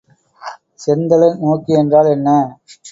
செந்தழல் நோக்கி என்றால் என்ன?